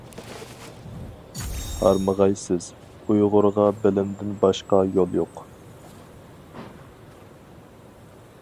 ھارمىغايسىز. ئۇيغۇرغا بىلىمدىن باشقا يول يوق.